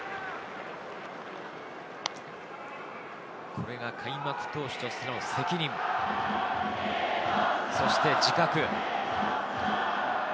これが開幕投手としての責任、そして自覚。